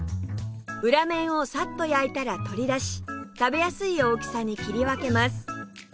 裏面をさっと焼いたら取り出し食べやすい大きさに切り分けます